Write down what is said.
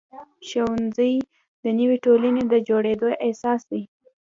ښوونځي د نوې ټولنې د جوړېدو اساس شول.